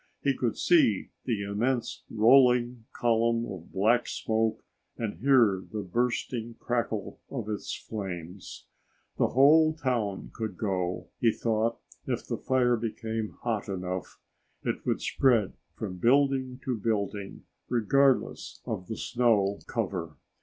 He could see the immense, rolling column of black smoke and hear the bursting crackle of its flames. The whole town could go, he thought, if the fire became hot enough. It would spread from building to building regardless of the snow cover.